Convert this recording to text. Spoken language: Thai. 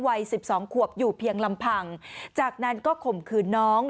วัยสิบสองขวบอยู่เพียงลำพังจากนั้นก็ข่มขืนน้อง